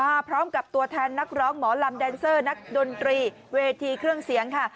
มาพร้อมกับตัวแทนนักร้องหมอลำแดนเซอร์นักดนตรีเวทีเครื่องเสียงค่ะ